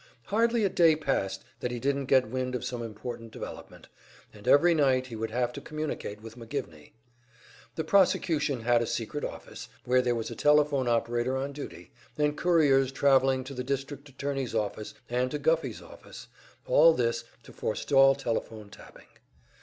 Hardly a day passed that he didn't get wind of some important development, and every night he would have to communicate with McGivney. The prosecution had a secret office, where there was a telephone operator on duty, and couriers traveling to the district attorney's office and to Guffey's office all this to forestall telephone tapping.